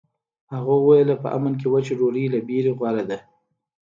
هغه وویل په امن کې وچه ډوډۍ له ویرې غوره ده.